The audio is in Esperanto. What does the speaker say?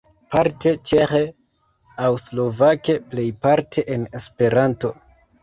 Parte ĉeĥe aŭ slovake, plejparte en Esperanto.